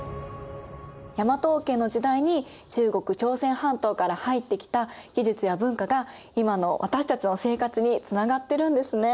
大和王権の時代に中国朝鮮半島から入ってきた技術や文化が今の私たちの生活につながってるんですね。